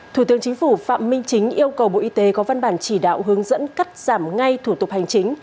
thủ tướng chính phủ phạm minh chính yêu cầu bộ y tế có văn bản chỉ đạo hướng dẫn cắt giảm ngay thủ tục hành chính